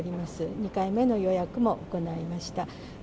２回目の予約も行いました。